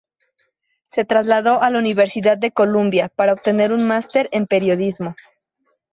Se trasladó a la Universidad de Columbia para obtener su máster en Periodismo.